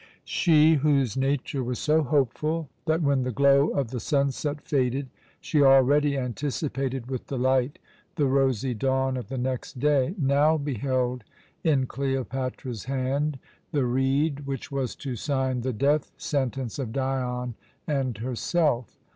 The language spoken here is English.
She, whose nature was so hopeful that, when the glow of the sunset faded, she already anticipated with delight the rosy dawn of the next day, now beheld in Cleopatra's hand the reed which was to sign the death sentence of Dion and herself.